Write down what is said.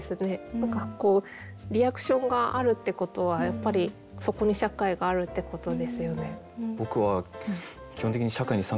何かこうリアクションがあるってことはやっぱりそこに社会があるってことですよね。